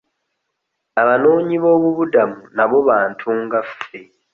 Abanoonyibobubudamu nabo bantu nga ffe.